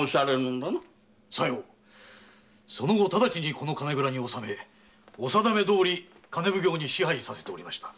この金蔵に納めお定めどおり金奉行に支配させておりました。